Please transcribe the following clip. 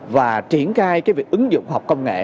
và triển khai cái việc ứng dụng khoa học công nghệ